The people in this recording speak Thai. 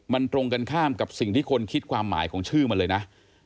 มันตรงกันข้ามกับสิ่งที่คนคิดความหมายของชื่อมันเลยนะ